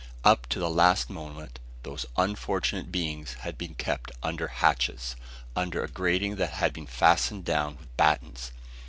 Up to the last moment those unfortunate beings had been kept under hatches, under a grating that had been fastened down with battens.